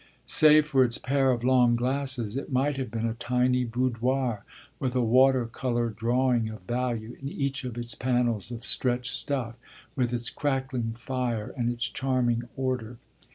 Save for its pair of long glasses it might have been a tiny boudoir, with a water colour drawing of value in each of its panels of stretched stuff, with its crackling fire and its charming order.